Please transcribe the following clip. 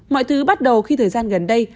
mọi thứ bắt đầu khi thời gian gần đây